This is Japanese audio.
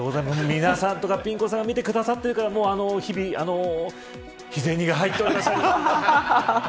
皆さんとかピン子さんが見てくださっているから日々、日銭が入っております。